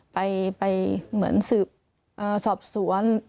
ไปเหมือนสืบสอบสวน